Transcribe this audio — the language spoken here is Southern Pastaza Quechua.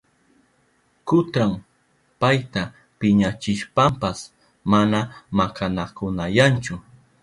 Kutran payta piñachishpanpas mana makanakunayanchu.